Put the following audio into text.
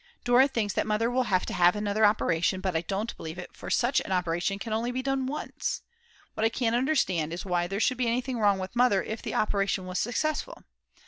Dora thinks that Mother will have to have another operation, but I don't believe it, for such an operation can only be done once. What I can't understand is why there should be anything wrong with Mother if the operation was successful.